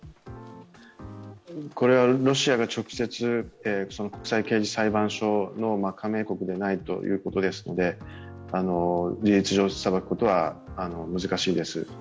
これはロシアが直接、国際刑事裁判所の加盟国でないということですので事実上、裁くことは難しいです。